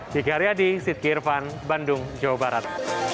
diki aryadi sidkirvan bandung jawa barat